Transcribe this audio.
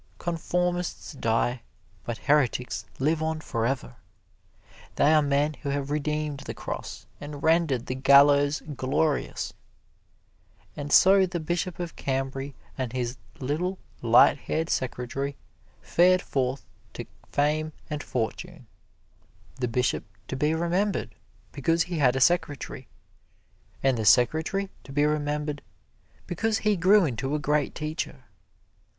Conformists die, but heretics live on forever. They are men who have redeemed the cross and rendered the gallows glorious. And so the Bishop of Cambray and his little light haired secretary fared forth to fame and fortune the Bishop to be remembered because he had a secretary, and the secretary to be remembered because he grew into a great teacher.